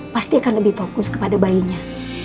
pasti akan lebih fokus kepada bayinya